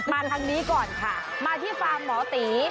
มาทางนี้ก่อนค่ะมาที่ฟาร์มหมอตี